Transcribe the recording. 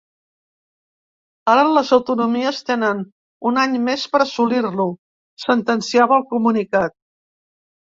Ara, les autonomies tenen un any més per assolir-lo, sentenciava el comunicat.